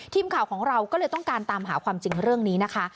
ทีมข่าวของเราก็เลยต้องการตามหาความจริงเรื่องนี้นะคะ